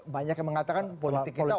banyak yang mengatakan politik kita